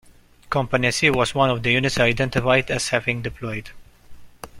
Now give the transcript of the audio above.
Company C was one of the units identified as having deployed.